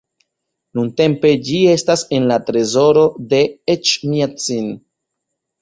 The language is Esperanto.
Nuntempe ĝi estas en la trezoro de Eĉmiadzin.